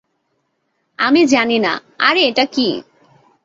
আমি জানি না - আরে এটা কি?